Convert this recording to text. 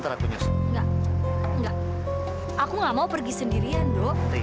terima kasih tuhan